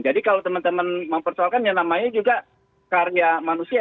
kalau teman teman mempersoalkan yang namanya juga karya manusia